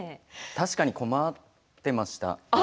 確かに困ってました。